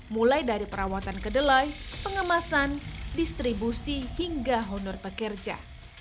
mulai dari perawatan kedelai pengemasan distribusi hingga honor pekerja